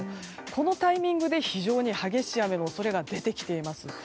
このタイミングで非常に激しい雨の恐れが出てきています。